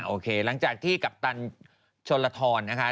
โอเคหลังจากที่กัปตันชนละทรนะคะ